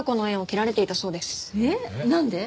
えっなんで？